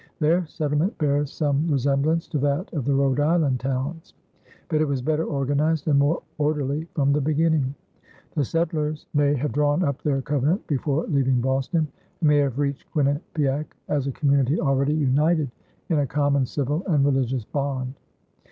Their settlement bears some resemblance to that of the Rhode Island towns, but it was better organized and more orderly from the beginning. The settlers may have drawn up their covenant before leaving Boston and may have reached Quinnipiac as a community already united in a common civil and religious bond.